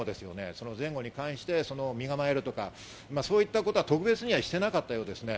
その前後に関して、身構えるとか、そういったことは特別にしていなかったようですね。